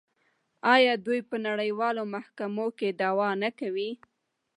آیا دوی په نړیوالو محکمو کې دعوا نه کوي؟